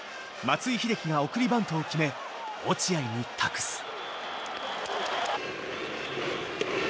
松井秀喜が送りバントを決め落合に託す。